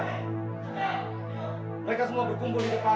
mereka semua berkumpul di depan